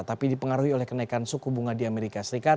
tapi dipengaruhi oleh kenaikan suku bunga di amerika serikat